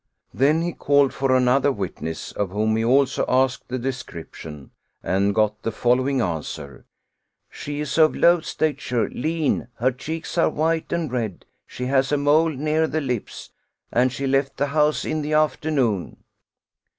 Then he called for another witness of whom he also asked the description, and got the following answer: "She is of low stature, lean^ her cheeks are white and red, she har a mole near the lips, and she left the house in the after noon."